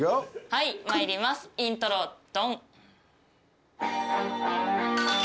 はい参りますイントロドン。